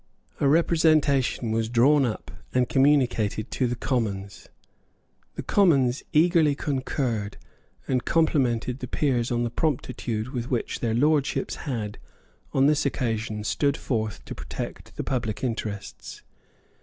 A representation was drawn up and communicated to the Commons. The Commons eagerly concurred, and complimented the Peers on the promptitude with which their Lordships had, on this occasion, stood forth to protect the public interests.